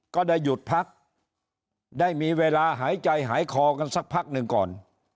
ก็ได้หยุดพักได้มีเวลาหายใจหายคอกันสักพักหนึ่งก่อน